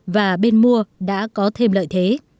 và bên mua đã có thêm lợi thế